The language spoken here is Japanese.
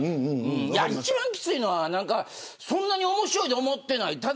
一番きついのはそんなに面白いと思ってない。